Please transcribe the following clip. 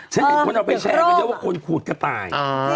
ฉันเป็นคนเอาไปแชร์กันเยอะว่าคนขูดกระต่าย